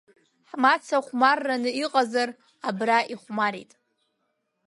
Ҳмаца хәмарраны иҟазар, абра ихәмарит!